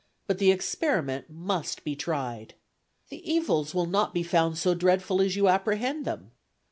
But the experiment must be tried. The evils will not be found so dreadful as you apprehend them.